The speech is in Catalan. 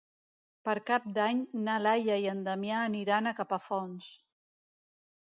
Per Cap d'Any na Laia i en Damià aniran a Capafonts.